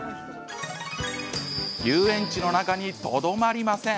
遊園地の中にとどまりません。